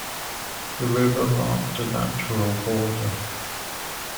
The river marked a natural border.